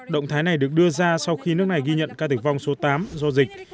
động thái này được đưa ra sau khi nước này ghi nhận ca tử vong số tám do dịch